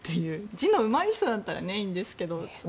字のうまい人だといいんですけどね。